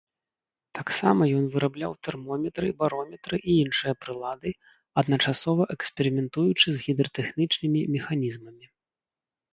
Таксама ён вырабляў тэрмометры, барометры і іншыя прылады, адначасова эксперыментуючы з гідратэхнічнымі механізмамі.